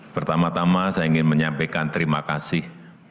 pertama tama saya ingin menyampaikan terima kasih